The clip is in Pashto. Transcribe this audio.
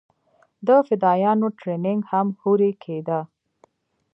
د فدايانو ټرېننگ هم هورې کېده.